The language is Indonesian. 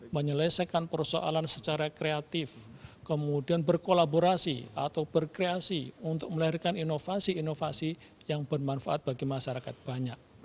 menyelesaikan persoalan secara kreatif kemudian berkolaborasi atau berkreasi untuk melahirkan inovasi inovasi yang bermanfaat bagi masyarakat banyak